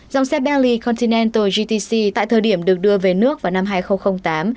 dòng xe belly continental gtc tại thời điểm được đưa về nước vào năm hai nghìn tám